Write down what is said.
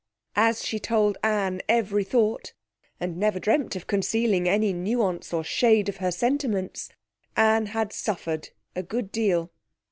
As she told Anne every thought, and never dreamt of concealing any nuance or shade of her sentiments, Anne had suffered a good deal.